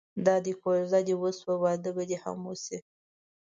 دادی کوژده دې وشوه واده به دې هم وشي.